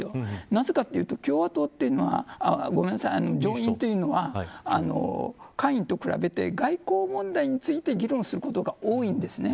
なぜかというと、上院というのは下院と比べて、外交問題について議論することが多いんですね。